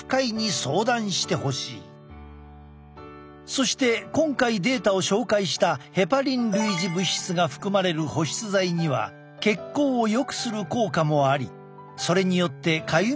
そして今回データを紹介したヘパリン類似物質が含まれる保湿剤には血行をよくする効果もありそれによってかゆみが生じることがある。